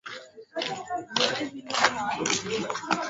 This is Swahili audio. wana tofautina na ile taarifa iliyotolewa na ile kamati ndogo ya watu watatu